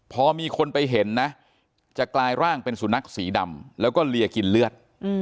พอมีคนไปเห็นนะจะกลายร่างเป็นสุนัขสีดำแล้วก็เลียกินเลือด